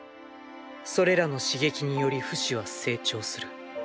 それらの刺激によりフシは成長する。